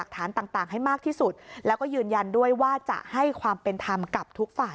ทุกฝ่ายนะคะครับ